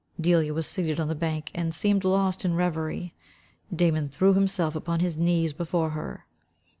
Delia was seated on the bank and seemed lost in reverie. Damon threw himself upon his knees before her.